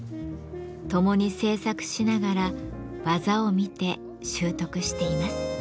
共に制作しながら技を見て習得しています。